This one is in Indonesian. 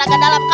dan rakyat kita